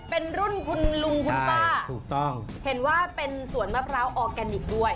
เป็นรุ่นคุณลุงคุณป้าถูกต้องเห็นว่าเป็นสวนมะพร้าวออร์แกนิคด้วย